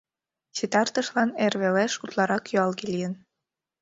Ситартышлан эр велеш утларак юалге лийын.